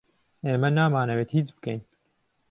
ئێمە نامانەوێت هیچ بکەین.